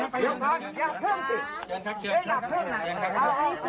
เดี๋ยวก่อนเดี๋ยวเพิ่มสิ